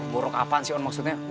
buruk apaan sih on maksudnya